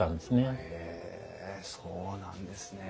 へえそうなんですね。